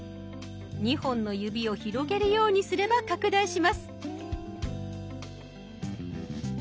２本の指を広げるようにすれば拡大します。